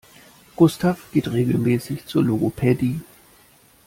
Gustav geht regelmäßig zur Logopädie.